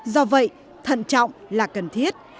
do vậy thận trọng là cần thiết